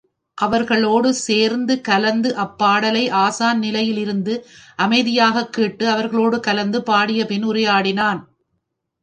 அவர்களோடு சேர்ந்து கலந்து அப்பாடலை ஆசான் நிலையில் இருந்து அமைதியாகக் கேட்டு அவர்களோடு கலந்து பாடிப் பின் உரையாடினான்.